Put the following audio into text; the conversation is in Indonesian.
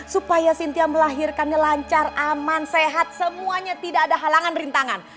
supaya cynthia melahirkannya lancar aman sehat semuanya tidak ada halangan rintangan